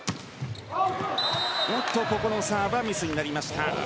ここのサーブはミスになりました。